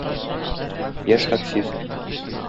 Яшь таксист.